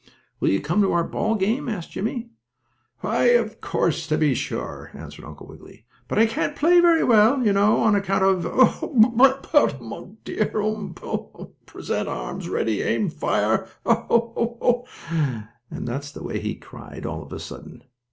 "Will you come to our ball game?" asked Jimmie. "Why, of course, to be sure," answered Uncle Wiggily. "But I can't play very well, you know, on account of Oh my! Ouch! Oh dear! Um Um! Present arms! Ready! Aim! Fire! Oh! Oh! Oh!" That's the way he cried all of a sudden.